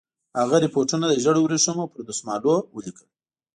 هغه رپوټونه د ژړو ورېښمو پر دسمالونو ولیکل.